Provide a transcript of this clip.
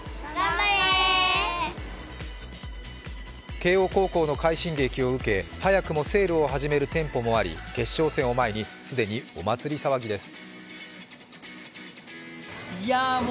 慶応高校の快進撃を受け、早くもセールを始める店舗もあり、決勝戦を前に既にお祭り騒ぎです。